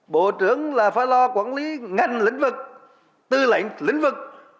bộ trưởng là phải lo quản lý ngành lĩnh vực tư lệnh lĩnh vực